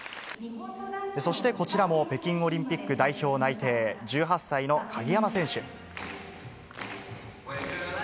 そしてこちらも北京オリンピック代表内定、１８歳の鍵山選手。